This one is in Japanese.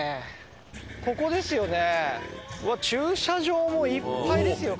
ここですよね？